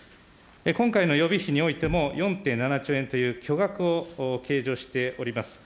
今回の予備費においても４．７兆円という巨額を計上しております。